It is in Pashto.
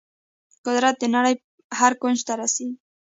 قدرت د نړۍ هر کونج ته رسیږي.